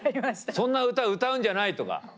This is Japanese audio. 「そんな歌歌うんじゃない」とか。